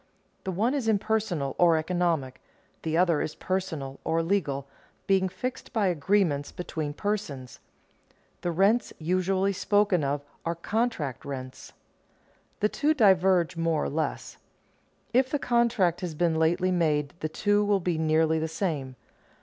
The one is impersonal or economic; the other is personal or legal, being fixed by agreements between persons. The rents usually spoken of are contract rents. The two diverge more or less. If the contract has been lately made the two will be nearly the same.